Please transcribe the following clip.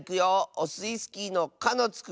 オスイスキーの「か」のつく